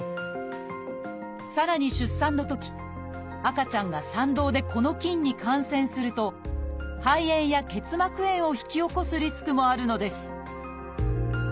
さらに出産のとき赤ちゃんが産道でこの菌に感染すると肺炎や結膜炎を引き起こすリスクもあるのです。